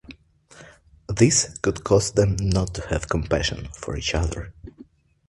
This could cause them not to have compassion for each other.